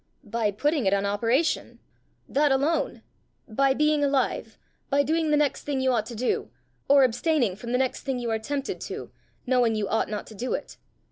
"By putting it in operation that alone; by being alive; by doing the next thing you ought to do, or abstaining from the next thing you are tempted to, knowing you ought not to do it.